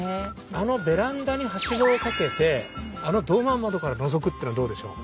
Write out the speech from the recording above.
あのベランダにはしごをかけてあのドーマー窓からのぞくっていうのはどうでしょう？